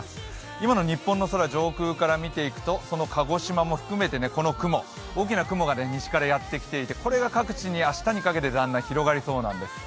今の日本の空、上空から見ていくと鹿児島も含めてこの雲、大きな雲が西からやってきていてこれが各地に、明日にかけてだんだん広がりそうなんです。